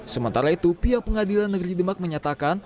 sementara itu pihak pengadilan negeri demak menyatakan